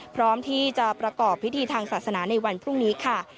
พร้อมที่จะประกอบพิธีทางศาสนาในวันพรุ่งนี้ค่ะ